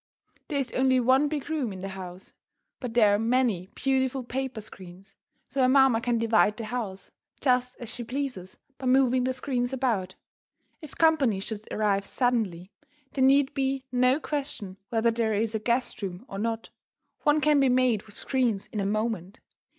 There is only one big room in the house, but there are many beautiful paper screens, so her mamma can divide the house just as she pleases by moving the screens about. If company should arrive suddenly, there need be no question whether there is a guest room or not. One can be made with screens in a moment.